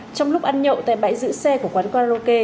trong lúc ăn nhậu tại bãi giữ xe của quán karaoke